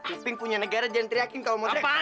kuping punya negara jangan teriakin kalau mau teriak ke mana